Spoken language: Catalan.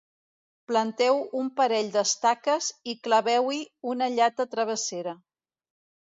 Planteu un parell d'estaques i claveu-hi una llata travessera.